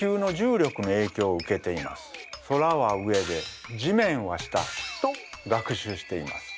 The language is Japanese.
空は上で地面は下と学習しています。